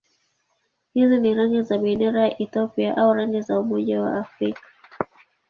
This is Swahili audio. Hizi ni rangi za bendera ya Ethiopia au rangi za Umoja wa Afrika.